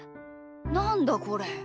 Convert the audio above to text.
なんだこれ？